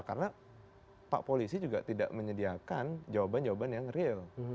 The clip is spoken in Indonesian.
karena pak polisi juga tidak menyediakan jawaban jawaban yang real